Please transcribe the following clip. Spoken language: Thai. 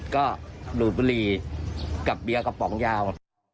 ก็ดูดบุหรี่กับเบียร์กระป๋องยาว